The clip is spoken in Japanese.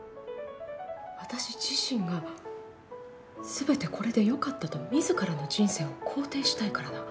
私自身がすべてこれで良かったと自らの人生を肯定したいからだ。